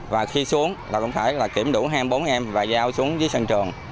và khi xuống là cũng phải kiểm đủ hai mươi bốn em và giao xuống dưới sân trường